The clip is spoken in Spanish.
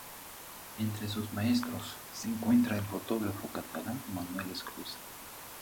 Entre sus maestros, se encuentra el fotógrafo catalán Manuel Esclusa.